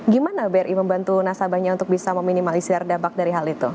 gimana bri membantu nasabahnya untuk bisa meminimalisir dampak dari hal itu